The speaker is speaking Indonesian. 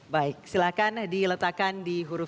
baik silahkan diletakkan di huruf